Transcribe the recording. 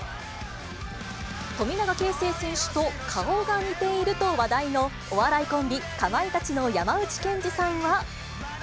富永啓生選手と顔が似ていると話題の、お笑いコンビ、かまいたちの山内健司さんは。